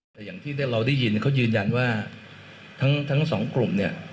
แต่อย่างที่เราได้ยินเขายืนยันว่าทั้งสองกลุ่มเนี่ย